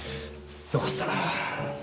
よかったな。